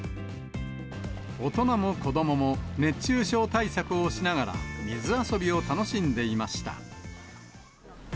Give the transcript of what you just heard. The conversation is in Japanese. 大人も子どもも熱中症対策をしながら、水遊びを楽しんでいました。